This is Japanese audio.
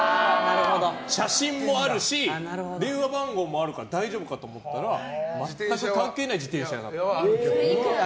写真もあるし電話番号もあるから大丈夫かなと思ったら全く関係ない自転車屋だったの。